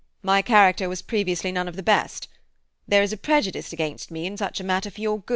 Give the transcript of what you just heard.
My character was previously none of the best. There is a prejudice against me in such a matter as this.